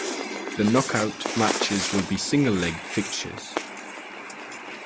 The knockout matches will be single leg fixtures.